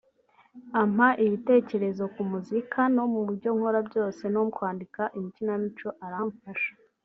ampa ibitekerezo ku muzika no mu byo nkora byose no mu kwandika ikinamico aramfasha